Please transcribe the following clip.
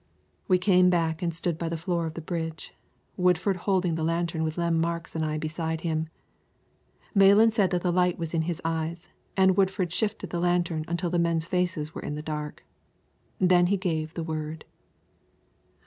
We came back and stood by the floor of the bridge, Woodford holding the lantern with Lem Marks and I beside him. Malan said that the light was in his eyes, and Woodford shifted the lantern until the men's faces were in the dark. Then he gave the word.